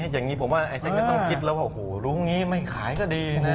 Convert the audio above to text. อย่างนี้ผมว่าไอ้เส้นก็ต้องคิดแล้วว่าโอ้โหรุ้งนี้ไม่ขายก็ดีนะ